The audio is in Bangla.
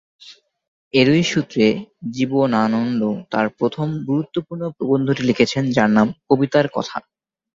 এরই সূত্রে জীবনানন্দ তাঁর প্রথম গুরুত্বপূর্ণ প্রবন্ধটি লিখেছিলেন যার নাম ‘কবিতার কথা’।